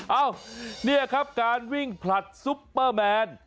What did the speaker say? เอ้านี่ครับการวิ่งผลัดซุปเปอร์แมน